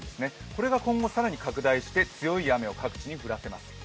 これが今後更に拡大して強い雨を各地に降らせます。